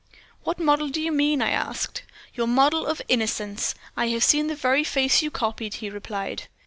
"'What model do you mean?' I asked. "'Your model of "Innocence." I have seen the very face you copied,' he replied.